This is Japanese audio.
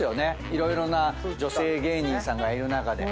色々な女性芸人さんがいる中で。